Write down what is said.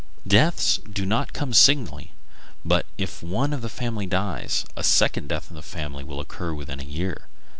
Deaths do not come singly; but if one of a family dies, a second death in the same family will occur within a year.